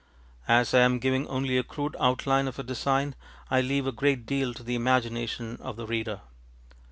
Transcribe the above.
As I am giving only a crude outline of a design, I leave a great deal to the imagination of the reader.